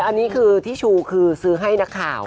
อันนี้คือที่ชูคือซื้อให้นักข่าว